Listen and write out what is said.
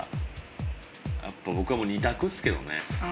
僕はもう２択っすけどね。